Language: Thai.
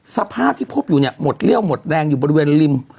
สภาพที่พบอยู่เนี่ยหมดเรี่ยวหมดแรงอยู่บริเวณริม